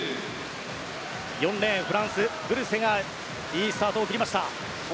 ４レーン、フランス、グルセがいいスタートを切りました。